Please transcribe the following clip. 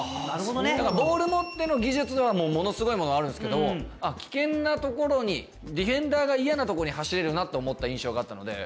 だからボール持っての技術はもうものすごいものがあるんですけど危険なところにディフェンダーが嫌なとこに走れるなと思った印象があったので。